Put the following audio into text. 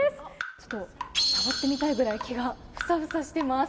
ちょっと触ってみたいぐらい毛がふさふさしてます。